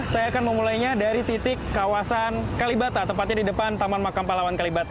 saya akan memulainya dari titik kawasan kalibata tempatnya di depan taman makam palawan kalibata